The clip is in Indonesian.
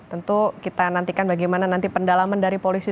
tentu kita nantikan bagaimana nanti pendalaman dari polisi